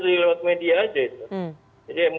kalau ada perubahan saya nggak tahu apa apa